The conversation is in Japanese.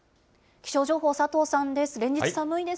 気象情報、佐藤さんです。